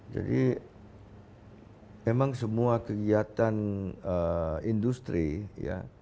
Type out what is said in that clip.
jadi emang semua kegiatan industri ya